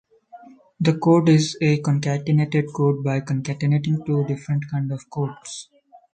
The code is a concatenated code by concatenating two different kinds of codes.